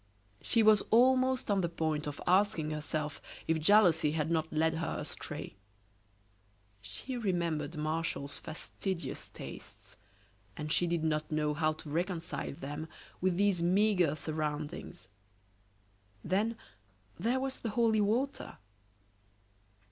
She was almost on the point of asking herself if jealousy had not led her astray. She remembered Martial's fastidious tastes, and she did not know how to reconcile them with these meagre surroundings. Then, there was the holy water!